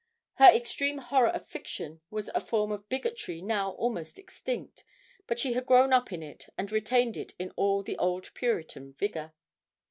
Her extreme horror of fiction was a form of bigotry now almost extinct, but she had grown up in it and retained it in all the old Puritan vigour.